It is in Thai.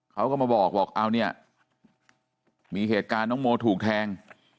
เขาก็มาบอกบอกเอาเนี่ยมีเหตุการณ์น้องโมถูกแทง